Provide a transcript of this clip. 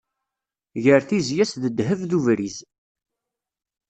Gar tizya-s d ddehb d ubriz.